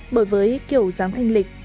bởi với kiểu dáng thanh lịch